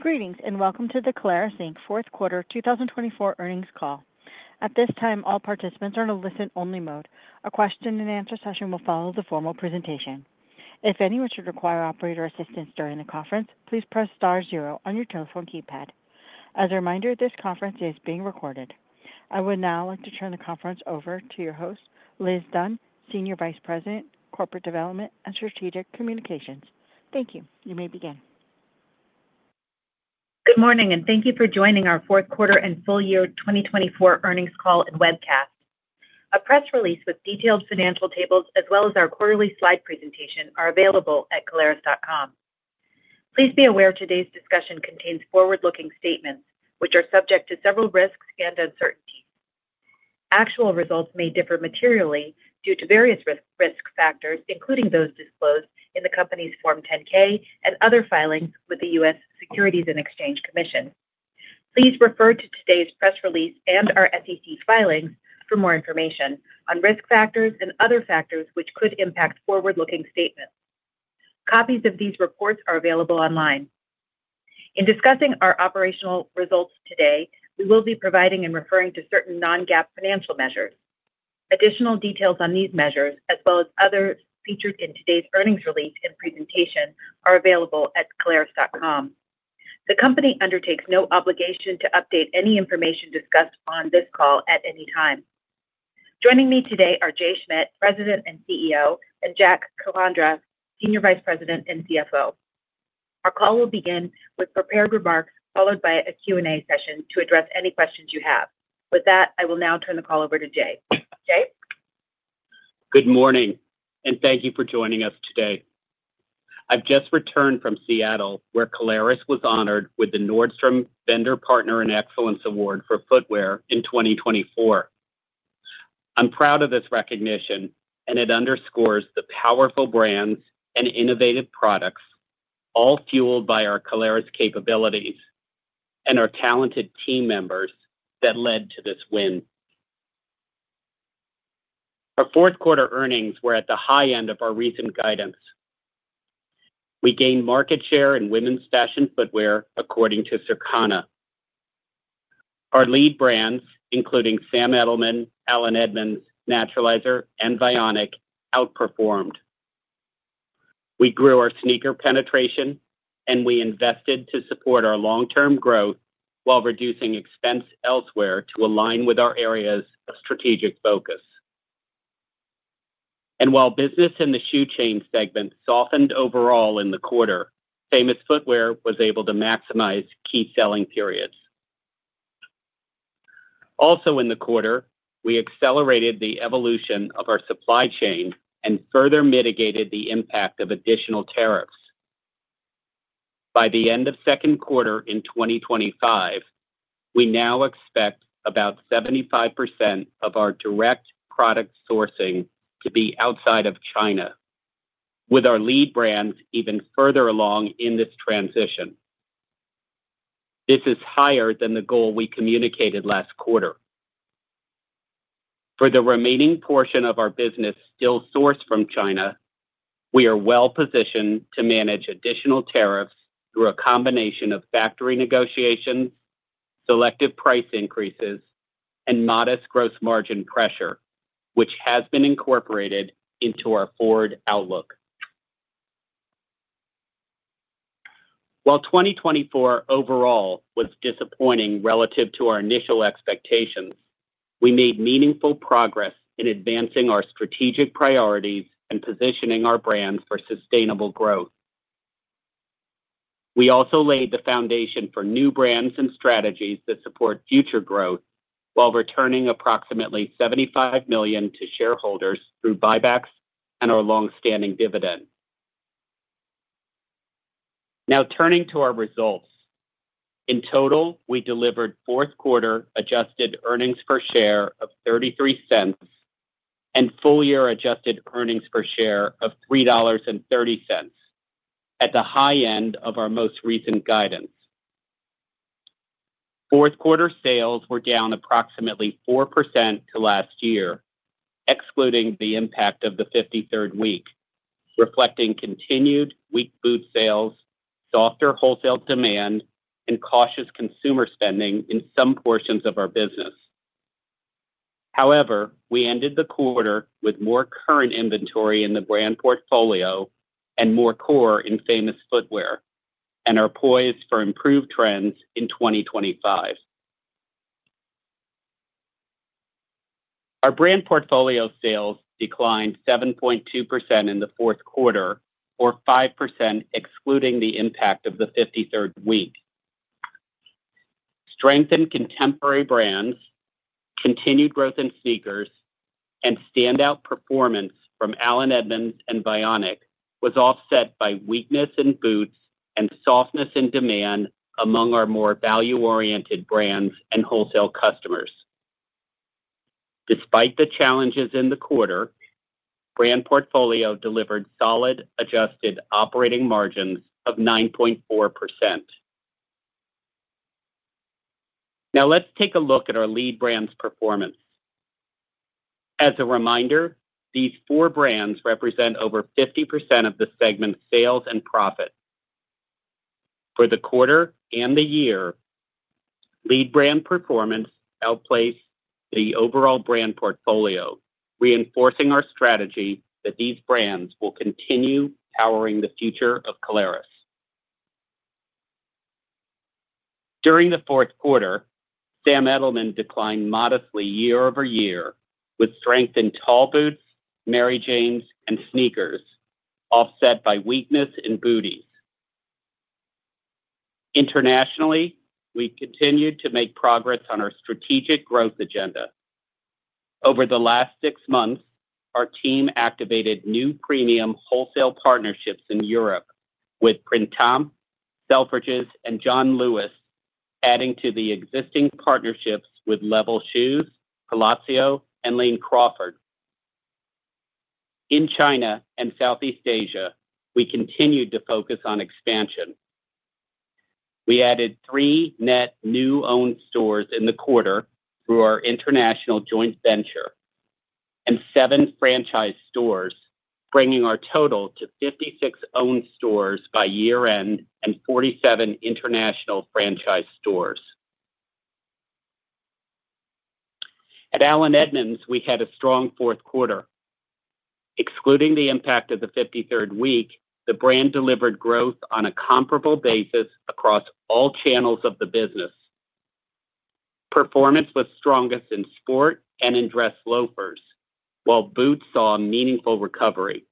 Greetings and welcome to the Caleres Fourth Quarter 2024 Earnings Call. At this time, all participants are in a listen-only mode. A question-and-answer session will follow the formal presentation. If any of this should require operator assistance during the conference, please press star zero on your telephone keypad. As a reminder, this conference is being recorded. I would now like to turn the conference over to your host, Liz Dunn, Senior Vice President, Corporate Development and Strategic Communications. Thank you. You may begin. Good morning, and thank you for joining our Fourth Quarter and Full Year 2024 earnings call and webcast. A press release with detailed financial tables, as well as our quarterly slide presentation, are available at caleres.com. Please be aware today's discussion contains forward-looking statements, which are subject to several risks and uncertainties. Actual results may differ materially due to various risk factors, including those disclosed in the company's Form 10-K and other filings with the U.S. Securities and Exchange Commission. Please refer to today's press release and our SEC filings for more information on risk factors and other factors which could impact forward-looking statements. Copies of these reports are available online. In discussing our operational results today, we will be providing and referring to certain non-GAAP financial measures. Additional details on these measures, as well as others featured in today's earnings release and presentation, are available at caleres.com. The company undertakes no obligation to update any information discussed on this call at any time. Joining me today are Jay Schmidt, President and CEO, and Jack Calandra, Senior Vice President and CFO. Our call will begin with prepared remarks, followed by a Q&A session to address any questions you have. With that, I will now turn the call over to Jay. Jay? Good morning, and thank you for joining us today. I've just returned from Seattle, where Caleres was honored with the Nordstrom Vendor Partner in Excellence Award for footwear in 2024. I'm proud of this recognition, and it underscores the powerful brands and innovative products, all fueled by our Caleres capabilities and our talented team members that led to this win. Our fourth quarter earnings were at the high end of our recent guidance. We gained market share in women's fashion footwear, according to Circana. Our lead brands, including Sam Edelman, Allen Edmonds, Naturalizer, and Vionic, outperformed. We grew our sneaker penetration, and we invested to support our long-term growth while reducing expense elsewhere to align with our area's strategic focus. While business in the shoe chain segment softened overall in the quarter, Famous Footwear was able to maximize key selling periods. Also, in the quarter, we accelerated the evolution of our supply chain and further mitigated the impact of additional tariffs. By the end of the second quarter in 2025, we now expect about 75% of our direct product sourcing to be outside of China, with our lead brands even further along in this transition. This is higher than the goal we communicated last quarter. For the remaining portion of our business still sourced from China, we are well-positioned to manage additional tariffs through a combination of factory negotiations, selective price increases, and modest gross margin pressure, which has been incorporated into our forward outlook. While 2024 overall was disappointing relative to our initial expectations, we made meaningful progress in advancing our strategic priorities and positioning our brand for sustainable growth. We also laid the foundation for new brands and strategies that support future growth while returning approximately $75 million to shareholders through buybacks and our long-standing dividend. Now, turning to our results, in total, we delivered fourth quarter Adjusted Earnings Per Share of $0.33 and full-year Adjusted Earnings Per Share of $3.30, at the high end of our most recent guidance. Fourth quarter sales were down approximately 4% to last year, excluding the impact of the 53rd week, reflecting continued weak boot sales, softer wholesale demand, and cautious consumer spending in some portions of our business. However, we ended the quarter with more current inventory in the brand portfolio and more core in Famous Footwear, and are poised for improved trends in 2025. Our brand portfolio sales declined 7.2% in the fourth quarter, or 5% excluding the impact of the 53rd week. Strength in contemporary brands, continued growth in sneakers, and standout performance from Allen Edmonds and Vionic was offset by weakness in boots and softness in demand among our more value-oriented brands and wholesale customers. Despite the challenges in the quarter, brand portfolio delivered solid adjusted operating margins of 9.4%. Now, let's take a look at our lead brands' performance. As a reminder, these four brands represent over 50% of the segment's sales and profit. For the quarter and the year, lead brand performance outpaced the overall brand portfolio, reinforcing our strategy that these brands will continue powering the future of Caleres. During the fourth quarter, Sam Edelman declined modestly year-over-year, with strength in tall boots, Mary Janes, and sneakers, offset by weakness in booties. Internationally, we continued to make progress on our strategic growth agenda. Over the last six months, our team activated new premium wholesale partnerships in Europe, with Printemps, Selfridges, and John Lewis adding to the existing partnerships with Level Shoes, Palacio, and Lane Crawford. In China and Southeast Asia, we continued to focus on expansion. We added three net new-owned stores in the quarter through our international joint venture and seven franchise stores, bringing our total to 56 owned stores by year-end and 47 international franchise stores. At Allen Edmonds, we had a strong fourth quarter. Excluding the impact of the 53rd week, the brand delivered growth on a comparable basis across all channels of the business. Performance was strongest in sport and in dress loafers, while boots saw meaningful recovery.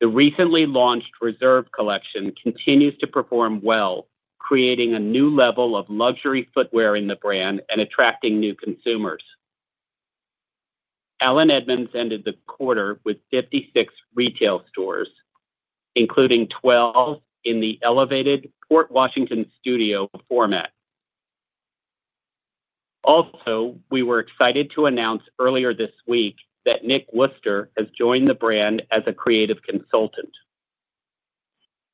The recently launched Reserve Collection continues to perform well, creating a new level of luxury footwear in the brand and attracting new consumers. Allen Edmonds ended the quarter with 56 retail stores, including 12 in the elevated Port Washington studio format. Also, we were excited to announce earlier this week that Nick Wooster has joined the brand as a creative consultant.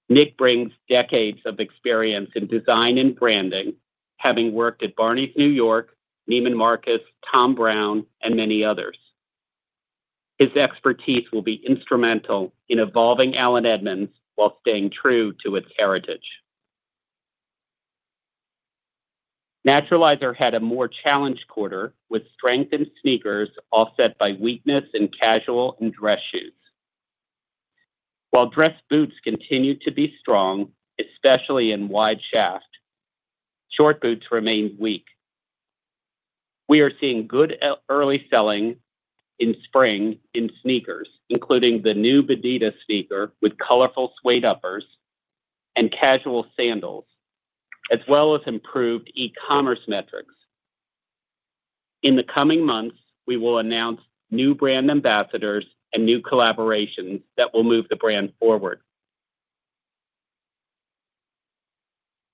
Nick brings decades of experience in design and branding, having worked at Barney's New York, Neiman Marcus, Tom Ford, and many others. His expertise will be instrumental in evolving Allen Edmonds while staying true to its heritage. Naturalizer had a more challenged quarter, with strength in sneakers offset by weakness in casual and dress shoes. While dress boots continued to be strong, especially in wide shaft, short boots remained weak. We are seeing good early selling in spring in sneakers, including the new [BADIDA] sneaker with colorful suede uppers and casual sandals, as well as improved e-commerce metrics. In the coming months, we will announce new brand ambassadors and new collaborations that will move the brand forward.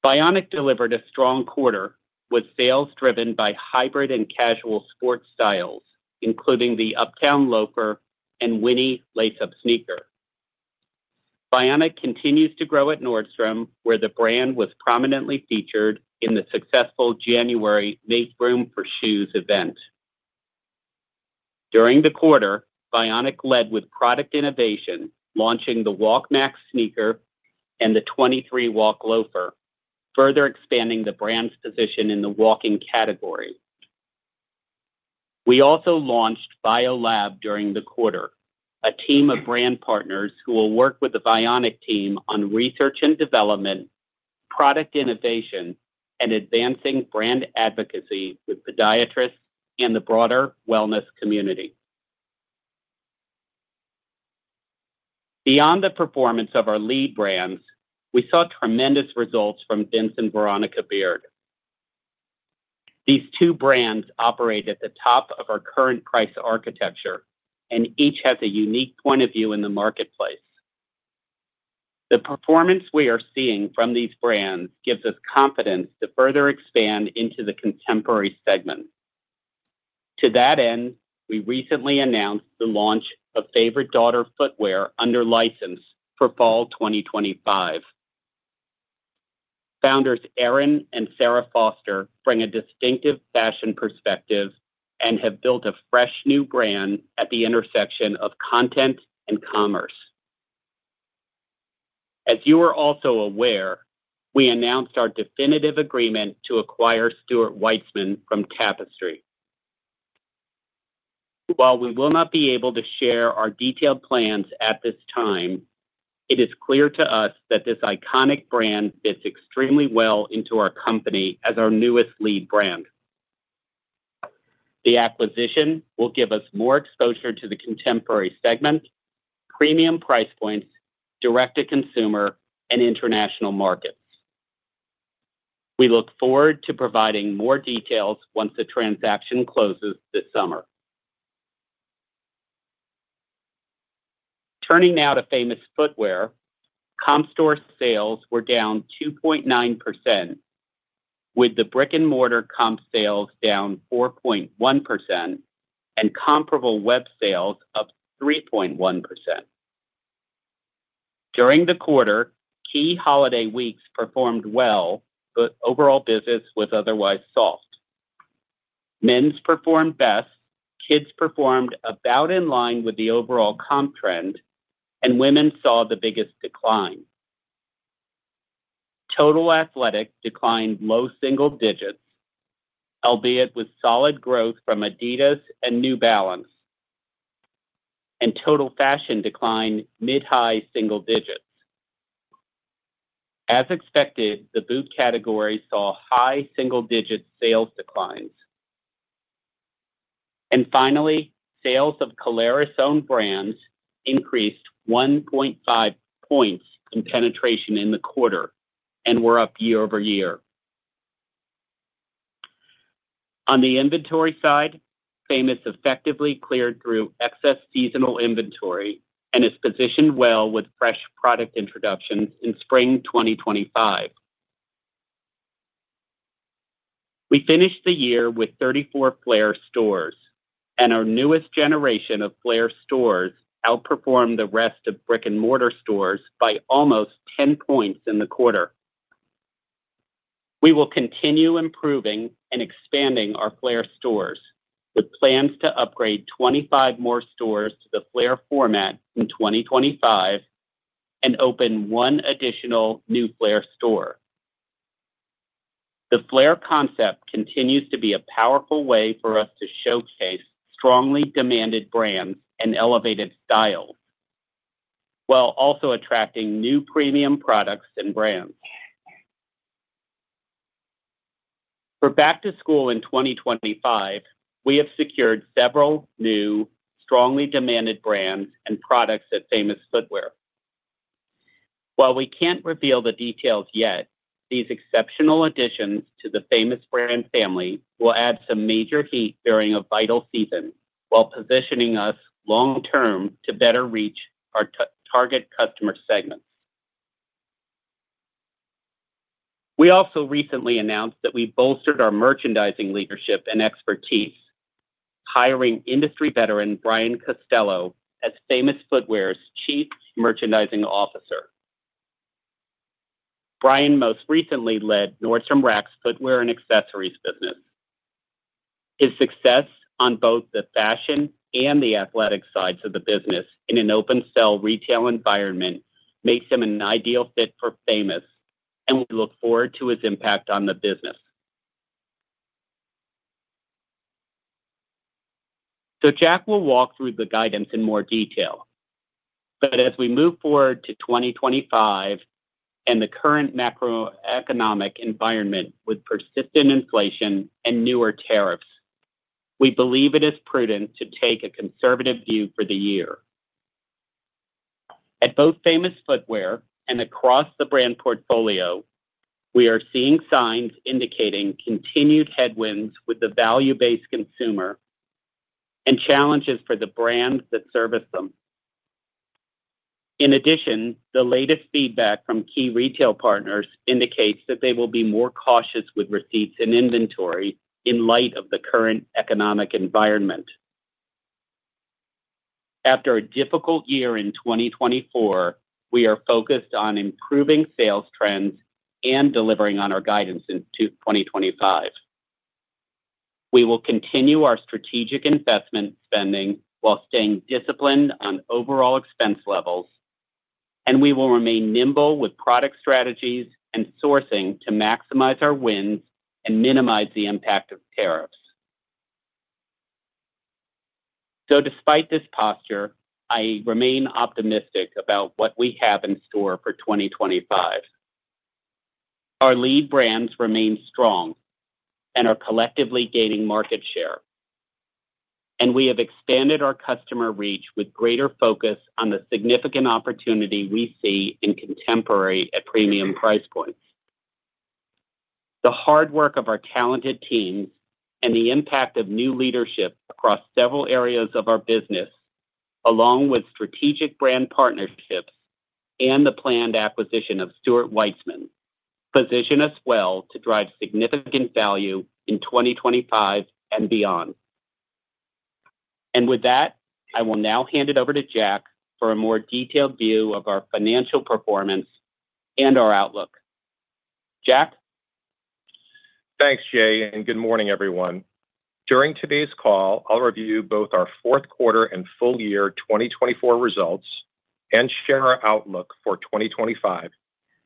Vionic delivered a strong quarter, with sales driven by hybrid and casual sports styles, including the Uptown Loafer and Winnie lace-up sneaker. Vionic continues to grow at Nordstrom, where the brand was prominently featured in the successful January Make Room for Shoes event. During the quarter, Vionic led with product innovation, launching the Walk Max sneaker and the 23 Walk Loafer, further expanding the brand's position in the walking category. We also launched Vio Lab during the quarter, a team of brand partners who will work with the Vionic team on research and development, product innovation, and advancing brand advocacy with podiatrists and the broader wellness community. Beyond the performance of our lead brands, we saw tremendous results from Vince and Veronica Beard. These two brands operate at the top of our current price architecture, and each has a unique point of view in the marketplace. The performance we are seeing from these brands gives us confidence to further expand into the contemporary segment. To that end, we recently announced the launch of Favorite Daughter Footwear under license for Fall 2025. Founders Erin and Sarah Foster bring a distinctive fashion perspective and have built a fresh new brand at the intersection of content and commerce. As you are also aware, we announced our definitive agreement to acquire Stuart Weitzman from Tapestry. While we will not be able to share our detailed plans at this time, it is clear to us that this iconic brand fits extremely well into our company as our newest lead brand. The acquisition will give us more exposure to the contemporary segment, premium price points, direct-to-consumer, and international markets. We look forward to providing more details once the transaction closes this summer. Turning now to Famous Footwear, comp store sales were down 2.9%, with the brick-and-mortar comp sales down 4.1% and comparable web sales up 3.1%. During the quarter, key holiday weeks performed well, but overall business was otherwise soft. Men's performed best, kids performed about in line with the overall comp trend, and women saw the biggest decline. Total athletic declined low single digits, albeit with solid growth from Adidas and New Balance, and total fashion declined mid-high single digits. As expected, the boot category saw high single-digit sales declines. Finally, sales of Caleres' own brands increased 1.5 percentage points in penetration in the quarter and were up year-over-year. On the inventory side, Famous effectively cleared through excess seasonal inventory and is positioned well with fresh product introductions in spring 2025. We finished the year with 34 FLAIR stores, and our newest generation of FLAIR stores outperformed the rest of brick-and-mortar stores by almost 10 percentage points in the quarter. We will continue improving and expanding our FLAIR stores, with plans to upgrade 25 more stores to the FLAIR format in 2025 and open one additional new FLAIR store. The FLAIR concept continues to be a powerful way for us to showcase strongly demanded brands and elevated styles, while also attracting new premium products and brands. For Back to School in 2025, we have secured several new, strongly demanded brands and products at Famous Footwear. While we cannot reveal the details yet, these exceptional additions to the Famous brand family will add some major heat during a vital season, while positioning us long-term to better reach our target customer segments. We also recently announced that we bolstered our merchandising leadership and expertise, hiring industry veteran Brian Costello as Famous Footwear's Chief Merchandising Officer. Brian most recently led Nordstrom Rack's footwear and accessories business. His success on both the fashion and the athletic sides of the business in an open-sale retail environment makes him an ideal fit for Famous, and we look forward to his impact on the business. Jack will walk through the guidance in more detail, but as we move forward to 2025 and the current macroeconomic environment with persistent inflation and newer tariffs, we believe it is prudent to take a conservative view for the year. At both Famous Footwear and across the brand portfolio, we are seeing signs indicating continued headwinds with the value-based consumer and challenges for the brands that service them. In addition, the latest feedback from key retail partners indicates that they will be more cautious with receipts and inventory in light of the current economic environment. After a difficult year in 2024, we are focused on improving sales trends and delivering on our guidance in 2025. We will continue our strategic investment spending while staying disciplined on overall expense levels, and we will remain nimble with product strategies and sourcing to maximize our wins and minimize the impact of tariffs. Despite this posture, I remain optimistic about what we have in store for 2025. Our lead brands remain strong and are collectively gaining market share, and we have expanded our customer reach with greater focus on the significant opportunity we see in contemporary at premium price points. The hard work of our talented teams and the impact of new leadership across several areas of our business, along with strategic brand partnerships and the planned acquisition of Stuart Weitzman, position us well to drive significant value in 2025 and beyond. I will now hand it over to Jack for a more detailed view of our financial performance and our outlook. Jack? Thanks, Jay, and good morning, everyone. During today's call, I'll review both our fourth quarter and full year 2024 results and share our outlook for 2025,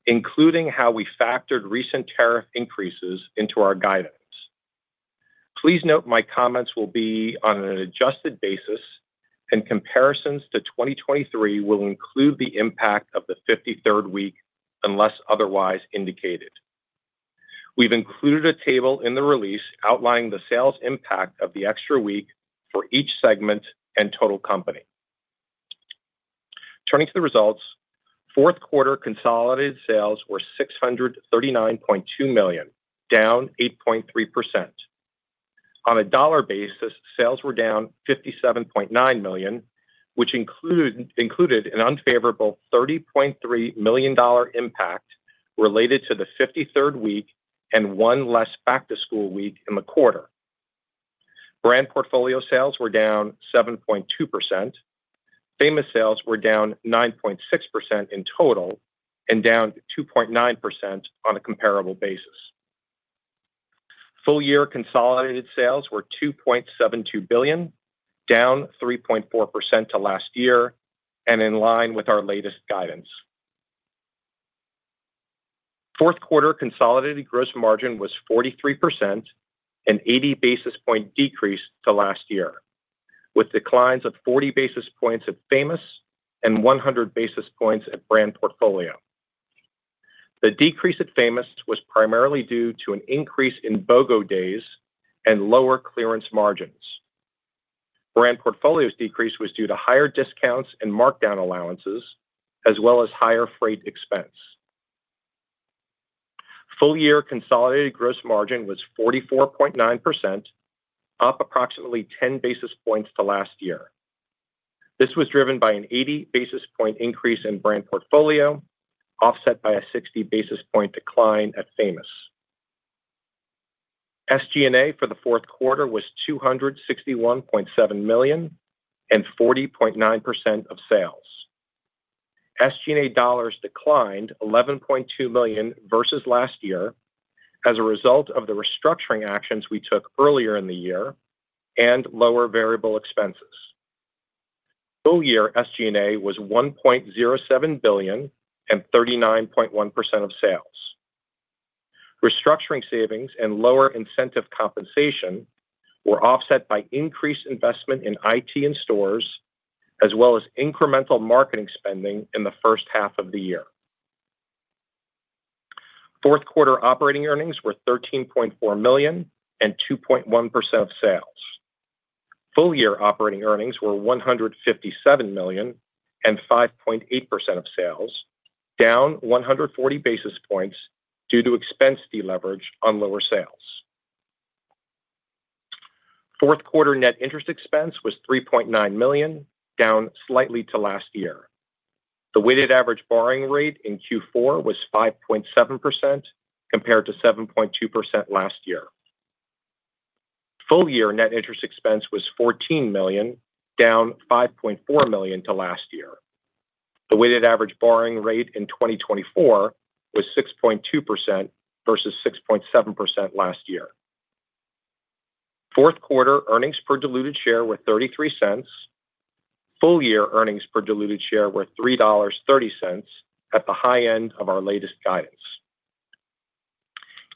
including how we factored recent tariff increases into our guidance. Please note my comments will be on an adjusted basis, and comparisons to 2023 will include the impact of the 53rd week unless otherwise indicated. We've included a table in the release outlining the sales impact of the extra week for each segment and total company. Turning to the results, fourth quarter consolidated sales were $639.2 million, down 8.3%. On a dollar basis, sales were down $57.9 million, which included an unfavorable $30.3 million impact related to the 53rd week and one less Back to School week in the quarter. Brand portfolio sales were down 7.2%. Famous sales were down 9.6% in total and down 2.9% on a comparable basis. Full year consolidated sales were $2.72 billion, down 3.4% to last year and in line with our latest guidance. Fourth quarter consolidated gross margin was 43%, an 80 basis point decrease to last year, with declines of 40 basis points at Famous and 100 basis points at brand portfolio. The decrease at Famous was primarily due to an increase in BOGO days and lower clearance margins. Brand portfolio's decrease was due to higher discounts and markdown allowances, as well as higher freight expense. Full year consolidated gross margin was 44.9%, up approximately 10 basis points to last year. This was driven by an 80 basis point increase in brand portfolio, offset by a 60 basis point decline at Famous. SG&A for the fourth quarter was $261.7 million and 40.9% of sales. SG&A dollars declined $11.2 million versus last year as a result of the restructuring actions we took earlier in the year and lower variable expenses. Full year SG&A was $1.07 billion and 39.1% of sales. Restructuring savings and lower incentive compensation were offset by increased investment in IT and stores, as well as incremental marketing spending in the first half of the year. Fourth quarter operating earnings were $13.4 million and 2.1% of sales. Full year operating earnings were $157 million and 5.8% of sales, down 140 basis points due to expense deleverage on lower sales. Fourth quarter net interest expense was $3.9 million, down slightly to last year. The weighted average borrowing rate in Q4 was 5.7% compared to 7.2% last year. Full year net interest expense was $14 million, down $5.4 million to last year. The weighted average borrowing rate in 2024 was 6.2% versus 6.7% last year. Fourth quarter earnings per diluted share were $0.33. Full year earnings per diluted share were $3.30 at the high end of our latest guidance.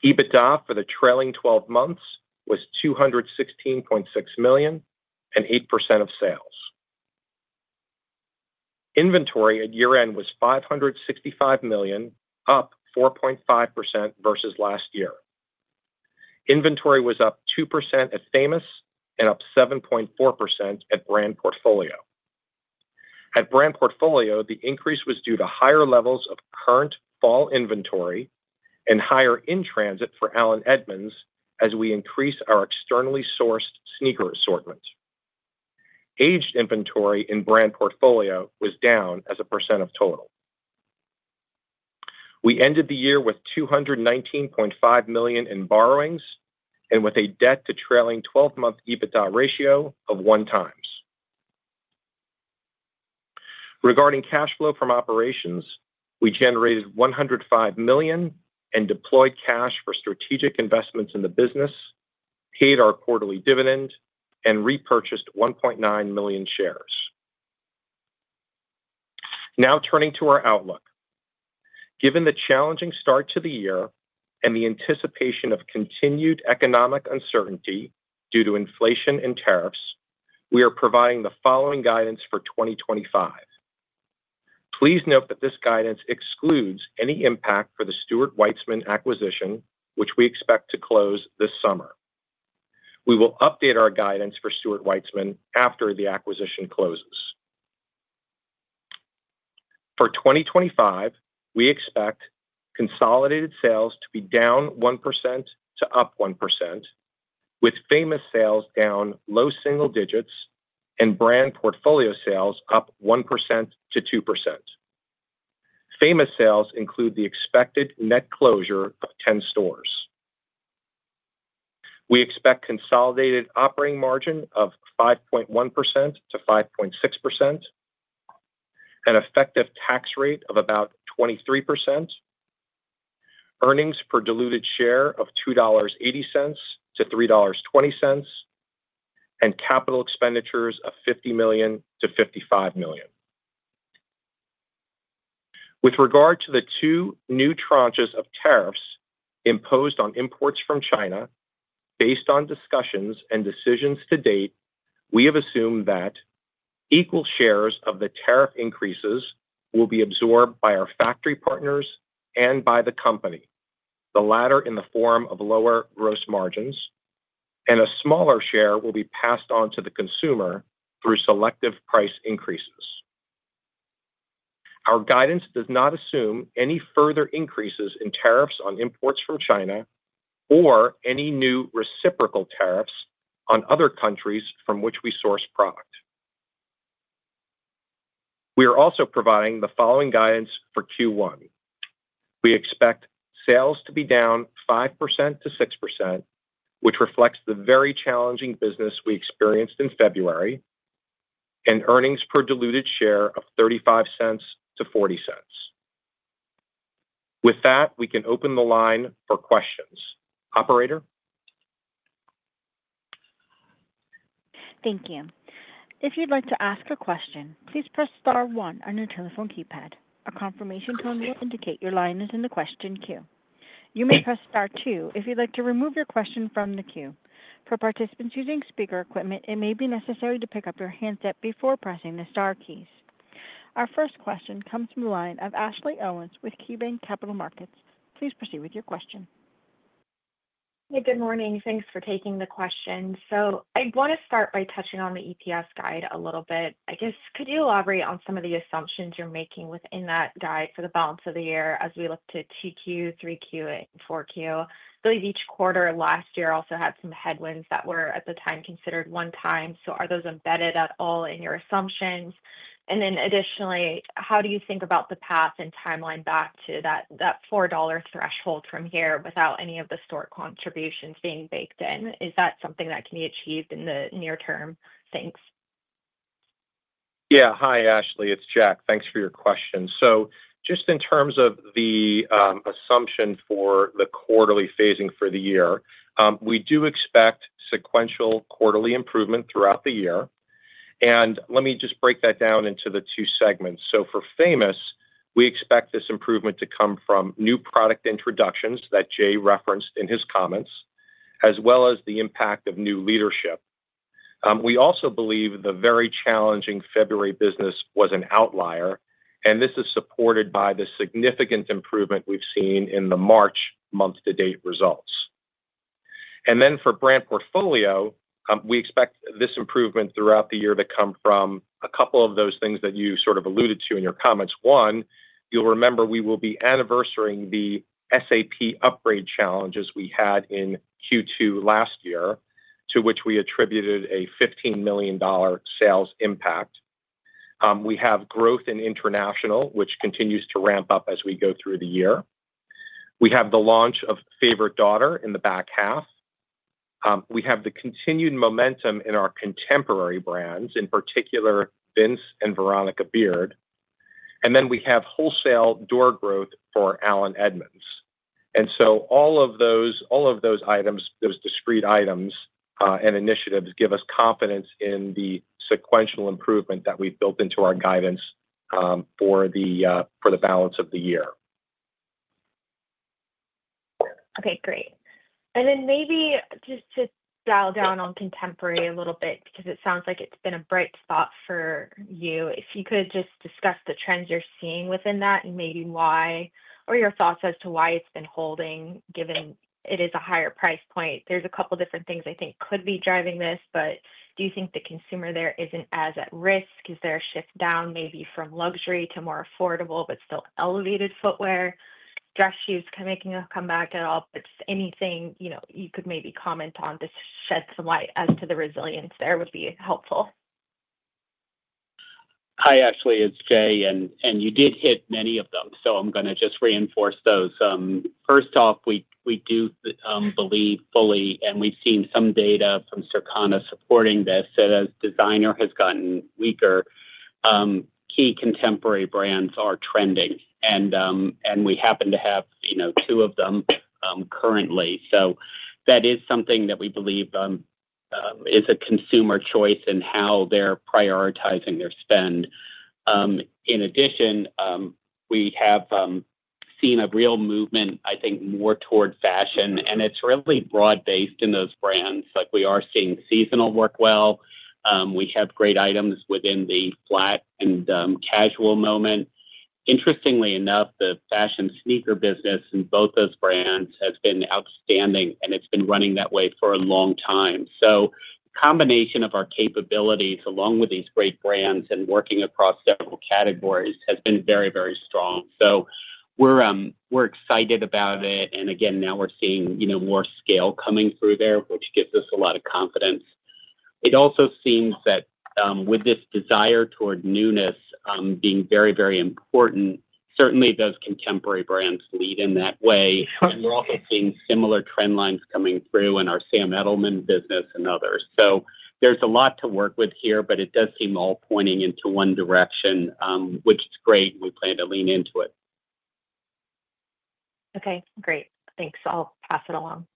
EBITDA for the trailing 12 months was $216.6 million and 8% of sales. Inventory at year-end was $565 million, up 4.5% versus last year. Inventory was up 2% at Famous and up 7.4% at brand portfolio. At brand portfolio, the increase was due to higher levels of current fall inventory and higher in-transit for Allen Edmonds as we increase our externally sourced sneaker assortment. Aged inventory in brand portfolio was down as a percent of total. We ended the year with $219.5 million in borrowings and with a debt to trailing 12-month EBITDA ratio of one times. Regarding cash flow from operations, we generated $105 million and deployed cash for strategic investments in the business, paid our quarterly dividend, and repurchased 1.9 million shares. Now turning to our outlook. Given the challenging start to the year and the anticipation of continued economic uncertainty due to inflation and tariffs, we are providing the following guidance for 2025. Please note that this guidance excludes any impact for the Stuart Weitzman acquisition, which we expect to close this summer. We will update our guidance for Stuart Weitzman after the acquisition closes. For 2025, we expect consolidated sales to be down 1% to up 1%, with Famous sales down low single digits and Brand Portfolio sales up 1%-2%. Famous sales include the expected net closure of 10 stores. We expect consolidated operating margin of 5.1%-5.6%, an effective tax rate of about 23%, earnings per diluted share of $2.80-$3.20, and capital expenditures of $50 million-$55 million. With regard to the two new tranches of tariffs imposed on imports from China, based on discussions and decisions to date, we have assumed that equal shares of the tariff increases will be absorbed by our factory partners and by the company, the latter in the form of lower gross margins, and a smaller share will be passed on to the consumer through selective price increases. Our guidance does not assume any further increases in tariffs on imports from China or any new reciprocal tariffs on other countries from which we source product. We are also providing the following guidance for Q1. We expect sales to be down 5%-6%, which reflects the very challenging business we experienced in February, and earnings per diluted share of $0.35-$0.40. With that, we can open the line for questions. Operator? Thank you. If you'd like to ask a question, please press star one on your telephone keypad. A confirmation tone will indicate your line is in the question queue. You may press star two if you'd like to remove your question from the queue. For participants using speaker equipment, it may be necessary to pick up your handset before pressing the star keys. Our first question comes from the line of Ashley Owens with KeyBank Capital Markets. Please proceed with your question. Hey, good morning. Thanks for taking the question. I want to start by touching on the EPS guide a little bit. I guess, could you elaborate on some of the assumptions you're making within that guide for the balance of the year as we look to Q2, Q3, and Q4? I believe each quarter last year also had some headwinds that were at the time considered one-time. Are those embedded at all in your assumptions? Additionally, how do you think about the path and timeline back to that $4 threshold from here without any of the store contributions being baked in? Is that something that can be achieved in the near term? Thanks. Yeah. Hi, Ashley. It's Jack. Thanks for your question. Just in terms of the assumption for the quarterly phasing for the year, we do expect sequential quarterly improvement throughout the year. Let me just break that down into the two segments. For Famous, we expect this improvement to come from new product introductions that Jay referenced in his comments, as well as the impact of new leadership. We also believe the very challenging February business was an outlier, and this is supported by the significant improvement we've seen in the March month-to-date results. For brand portfolio, we expect this improvement throughout the year to come from a couple of those things that you sort of alluded to in your comments. One, you'll remember we will be anniversarying the SAP upgrade challenges we had in Q2 last year, to which we attributed a $15 million sales impact. We have growth in international, which continues to ramp up as we go through the year. We have the launch of Favorite Daughter in the back half. We have the continued momentum in our contemporary brands, in particular, Vince and Veronica Beard. We have wholesale door growth for Allen Edmonds. All of those items, those discrete items and initiatives give us confidence in the sequential improvement that we've built into our guidance for the balance of the year. Okay. Great. Maybe just to dial down on contemporary a little bit, because it sounds like it's been a bright spot for you. If you could just discuss the trends you're seeing within that and maybe why, or your thoughts as to why it's been holding, given it is a higher price point. There's a couple of different things I think could be driving this, but do you think the consumer there isn't as at risk? Is there a shift down maybe from luxury to more affordable but still elevated footwear? Dress shoes kind of making a comeback at all, but just anything you could maybe comment on to shed some light as to the resilience there would be helpful. Hi, Ashley. It's Jay, and you did hit many of them, so I'm going to just reinforce those. First off, we do believe fully, and we've seen some data from Circana supporting this, that as designer has gotten weaker, key contemporary brands are trending, and we happen to have two of them currently. That is something that we believe is a consumer choice in how they're prioritizing their spend. In addition, we have seen a real movement, I think, more toward fashion, and it's really broad-based in those brands. We are seeing seasonal work well. We have great items within the flat and casual moment. Interestingly enough, the fashion sneaker business in both those brands has been outstanding, and it's been running that way for a long time. The combination of our capabilities along with these great brands and working across several categories has been very, very strong. We're excited about it. Again, now we're seeing more scale coming through there, which gives us a lot of confidence. It also seems that with this desire toward newness being very, very important, certainly those contemporary brands lead in that way. We're also seeing similar trend lines coming through in our Sam Edelman business and others. There is a lot to work with here, but it does seem all pointing into one direction, which is great, and we plan to lean into it. Okay. Great. Thanks. I'll pass it along.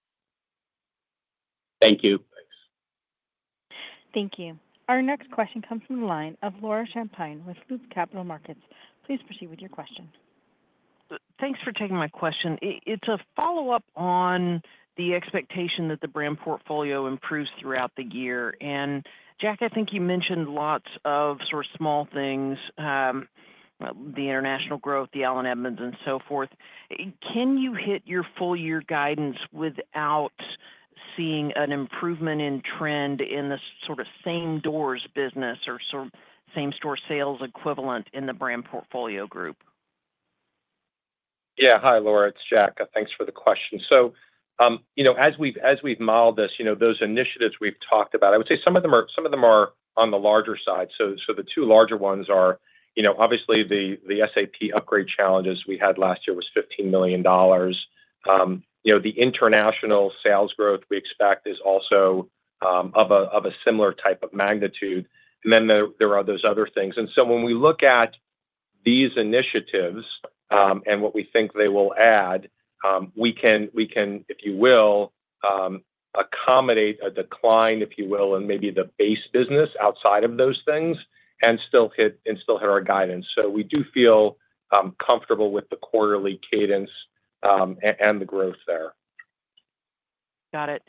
Thank you. Thanks. Thank you. Our next question comes from the line of Laura Champine with Loop Capital Markets. Please proceed with your question. Thanks for taking my question. It's a follow-up on the expectation that the brand portfolio improves throughout the year. And Jack, I think you mentioned lots of sort of small things, the international growth, the Allen Edmonds, and so forth. Can you hit your full year guidance without seeing an improvement in trend in the sort of same doors business or same store sales equivalent in the brand portfolio group? Yeah. Hi, Laura. It's Jack. Thanks for the question. As we've modeled this, those initiatives we've talked about, I would say some of them are on the larger side. The two larger ones are obviously the SAP upgrade challenges we had last year was $15 million. The international sales growth we expect is also of a similar type of magnitude. Then there are those other things. When we look at these initiatives and what we think they will add, we can, if you will, accommodate a decline, if you will, in maybe the base business outside of those things and still hit our guidance. We do feel comfortable with the quarterly cadence and the growth there. Got it.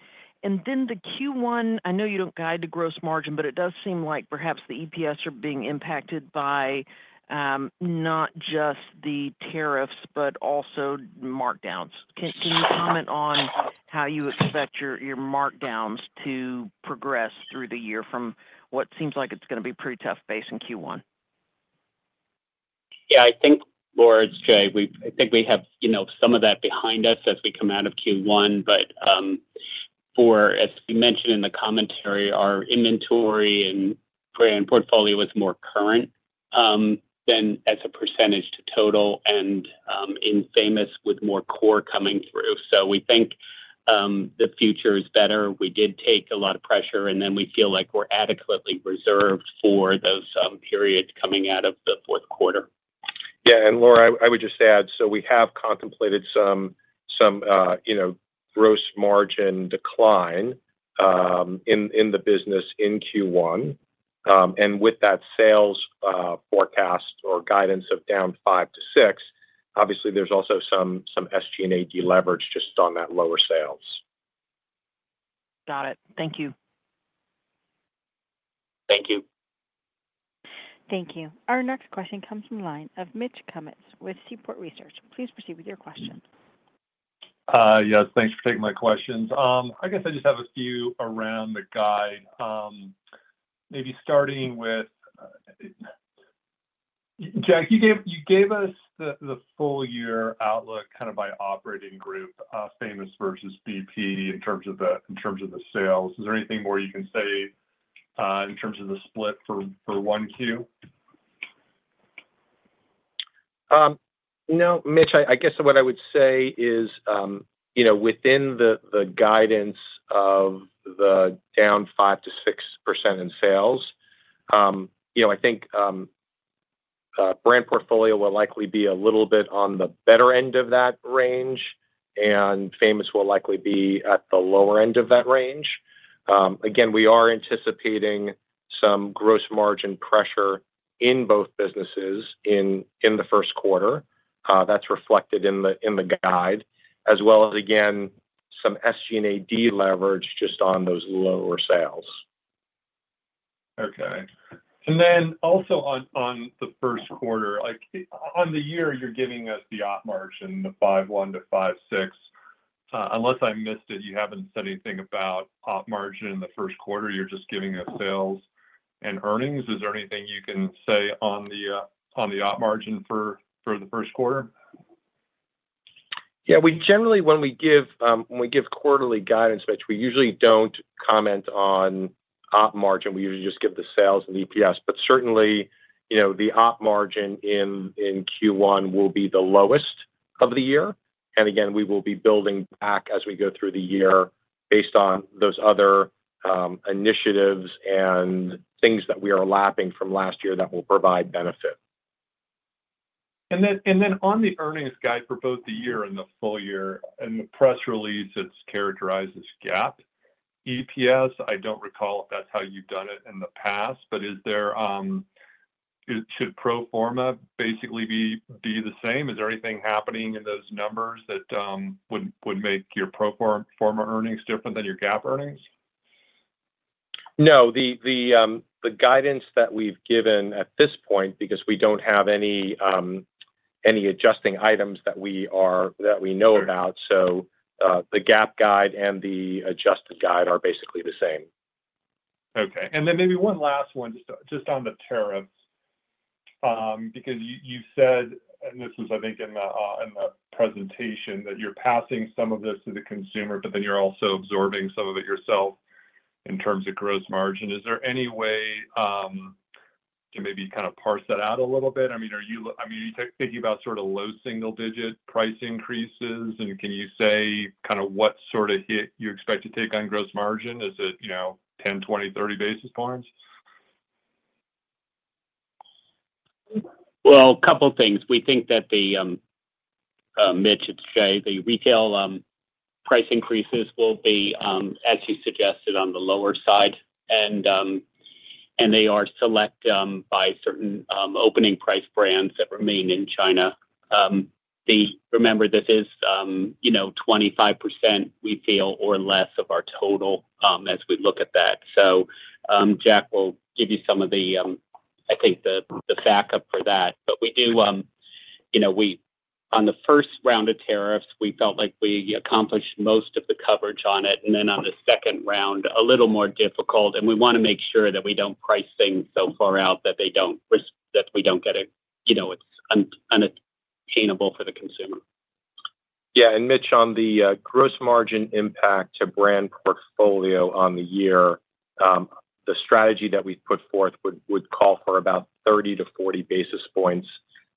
The Q1, I know you don't guide the gross margin, but it does seem like perhaps the EPS are being impacted by not just the tariffs but also markdowns. Can you comment on how you expect your markdowns to progress through the year from what seems like it's going to be pretty tough base in Q1? Yeah. I think, Laura and Jay, I think we have some of that behind us as we come out of Q1. As we mentioned in the commentary, our inventory and brand portfolio is more current than as a percentage to total and in Famous with more core coming through. We think the future is better. We did take a lot of pressure, and we feel like we're adequately reserved for those periods coming out of the fourth quarter. Yeah. Laura, I would just add, we have contemplated some gross margin decline in the business in Q1. With that sales forecast or guidance of down 5%-6%, obviously, there is also some SG&A deleverage just on that lower sales. Got it. Thank you. Thank you. Thank you. Our next question comes from the line of Mitch Kummetz with Seaport Research. Please proceed with your question. Yes. Thanks for taking my questions. I guess I just have a few around the guide. Maybe starting with Jack, you gave us the full year outlook kind of by operating group, Famous versus BP in terms of the sales. Is there anything more you can say in terms of the split for Q1? No. Mitch, I guess what I would say is within the guidance of the down 5%-6% in sales, I think brand portfolio will likely be a little bit on the better end of that range, and Famous will likely be at the lower end of that range. Again, we are anticipating some gross margin pressure in both businesses in the first quarter. That is reflected in the guide, as well as, again, some SG&A deleverage just on those lower sales. Okay. Also on the first quarter, on the year, you are giving us the op margin, the 5.1%-5.6%. Unless I missed it, you have not said anything about op margin in the first quarter. You are just giving us sales and earnings. Is there anything you can say on the op margin for the first quarter? Yeah. Generally, when we give quarterly guidance, Mitch, we usually do not comment on op margin. We usually just give the sales and EPS. Certainly, the op margin in Q1 will be the lowest of the year. Again, we will be building back as we go through the year based on those other initiatives and things that we are lapping from last year that will provide benefit. On the earnings guide for both the year and the full year and the press release, that is characterized as GAAP EPS. I do not recall if that is how you have done it in the past, but should pro forma basically be the same? Is there anything happening in those numbers that would make your pro forma earnings different than your GAAP earnings? No. The guidance that we've given at this point, because we don't have any adjusting items that we know about, so the GAAP guide and the adjusted guide are basically the same. Okay. Maybe one last one, just on the tariffs, because you said, and this was, I think, in the presentation, that you're passing some of this to the consumer, but then you're also absorbing some of it yourself in terms of gross margin. Is there any way to maybe kind of parse that out a little bit? I mean, are you thinking about sort of low single-digit price increases? Can you say kind of what sort of hit you expect to take on gross margin? Is it 10, 20, 30 basis points? A couple of things. We think that the, Mitch, it's Jay, the retail price increases will be, as you suggested, on the lower side, and they are select by certain opening price brands that remain in China. Remember, this is 25%, we feel, or less of our total as we look at that. Jack will give you some of the, I think, the backup for that. We do, on the first round of tariffs, we felt like we accomplished most of the coverage on it. On the second round, a little more difficult. We want to make sure that we don't price things so far out that they don't get it. It's unattainable for the consumer. Yeah. Mitch, on the gross margin impact to brand portfolio on the year, the strategy that we've put forth would call for about 30-40 basis points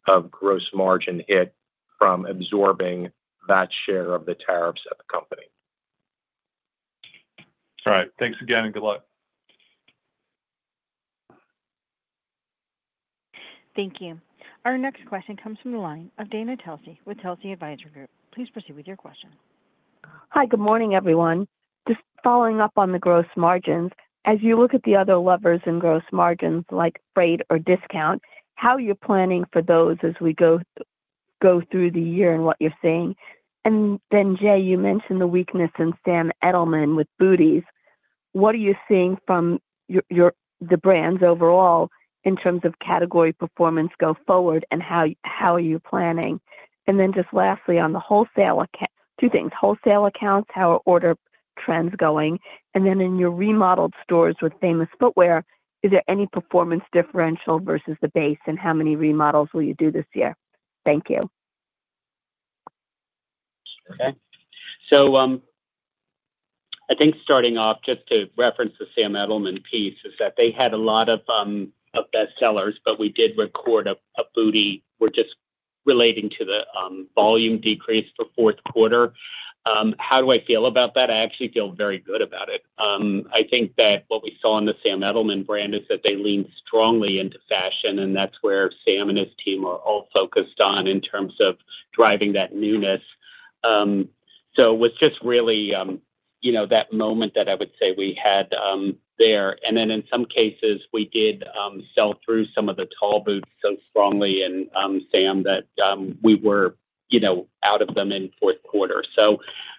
of gross margin hit from absorbing that share of the tariffs at the company. All right. Thanks again, and good luck. Thank you. Our next question comes from the line of Dana Telsey with Telsey Advisory Group. Please proceed with your question. Hi. Good morning, everyone. Just following up on the gross margins, as you look at the other levers in gross margins like freight or discount, how you're planning for those as we go through the year and what you're seeing. Jay, you mentioned the weakness in Sam Edelman with booties. What are you seeing from the brands overall in terms of category performance go forward, and how are you planning? Lastly, on the wholesale, two things. Wholesale accounts, how are order trends going? In your remodeled stores with Famous Footwear, is there any performance differential versus the base, and how many remodels will you do this year? Thank you. Okay. I think starting off, just to reference the Sam Edelman piece, is that they had a lot of bestsellers, but we did record a bootie. We're just relating to the volume decrease for fourth quarter. How do I feel about that? I actually feel very good about it. I think that what we saw in the Sam Edelman brand is that they lean strongly into fashion, and that's where Sam and his team are all focused on in terms of driving that newness. It was just really that moment that I would say we had there. In some cases, we did sell through some of the tall boots so strongly in Sam that we were out of them in fourth quarter.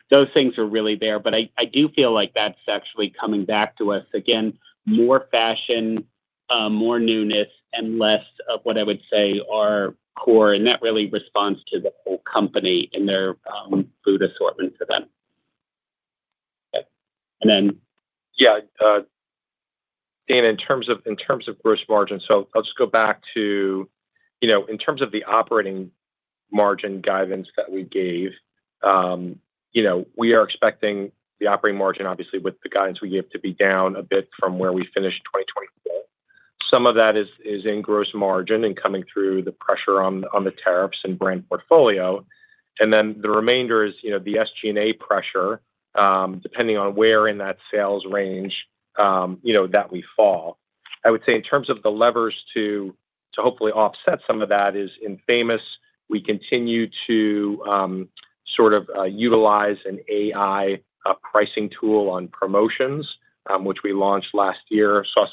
Those things are really there. I do feel like that's actually coming back to us. Again, more fashion, more newness, and less of what I would say are core. That really responds to the whole company and their food assortment for them. Yeah, Dana, in terms of gross margin, I'll just go back to in terms of the operating margin guidance that we gave. We are expecting the operating margin, obviously, with the guidance we gave, to be down a bit from where we finished 2024. Some of that is in gross margin and coming through the pressure on the tariffs and brand portfolio. The remainder is the SG&A pressure, depending on where in that sales range that we fall. I would say in terms of the levers to hopefully offset some of that is in Famous, we continue to sort of utilize an AI pricing tool on promotions, which we launched last year, saw,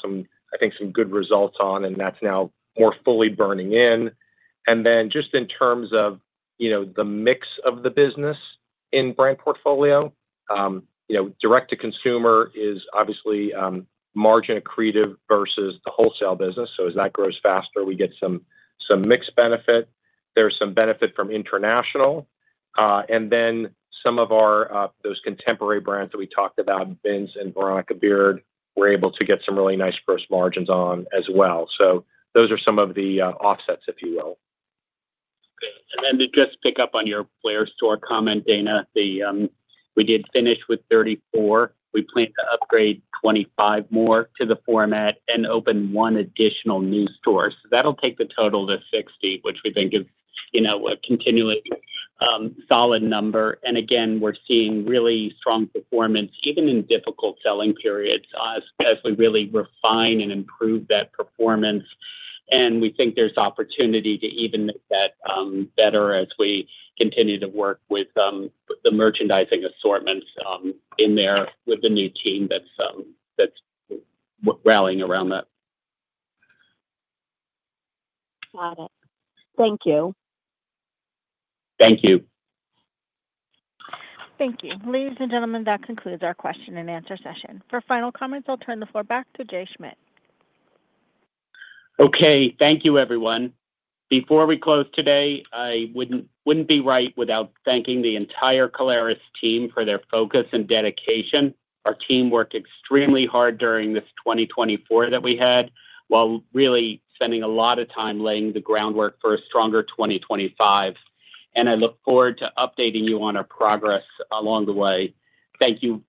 I think, some good results on, and that's now more fully burning in. In terms of the mix of the business in brand portfolio, direct-to-consumer is obviously margin accretive versus the wholesale business. As that grows faster, we get some mixed benefit. There's some benefit from international. Some of those contemporary brands that we talked about, Vince and Veronica Beard, we're able to get some really nice gross margins on as well. Those are some of the offsets, if you will. To just pick up on your FLAIR store comment, Dana, we did finish with 34. We plan to upgrade 25 more to the format and open one additional new store. That will take the total to 60, which we think is a continually solid number. We are seeing really strong performance even in difficult selling periods as we really refine and improve that performance. We think there is opportunity to even make that better as we continue to work with the merchandising assortments in there with the new team that is rallying around that. Got it. Thank you. Thank you. Thank you. Ladies and gentlemen, that concludes our question and answer session. For final comments, I will turn the floor back to Jay Schmidt. Thank you, everyone. Before we close today, it would not be right without thanking the entire Caleres team for their focus and dedication. Our team worked extremely hard during this 2024 that we had while really spending a lot of time laying the groundwork for a stronger 2025. I look forward to updating you on our progress along the way. Thank you,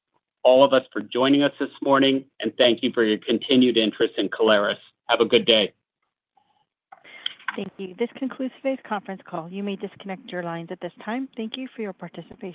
all of us, for joining us this morning, and thank you for your continued interest in Caleres. Have a good day. Thank you. This concludes today's conference call. You may disconnect your lines at this time. Thank you for your participation.